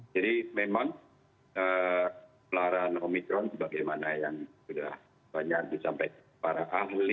jadi memang pelarangan omikron sebagaimana yang sudah banyak disampaikan para ahli